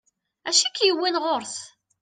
Acu ik-yewwin ɣur-s?